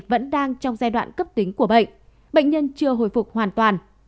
vẫn đang trong giai đoạn cấp tính của bệnh bệnh nhân chưa hồi phục hoàn toàn